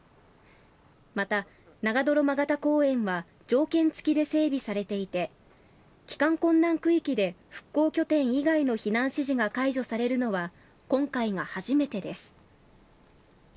また、長泥曲田公園は条件付きで整備されていて帰還困難区域で復興拠点以外の避難指示が解除されるのは今回が初めてです。